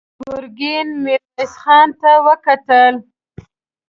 ګرګين ميرويس خان ته وکتل.